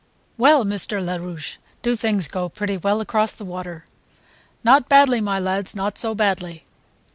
"Well, Mr. Larouche, do things go pretty well across the water?" "Not badly, my lads, not so badly."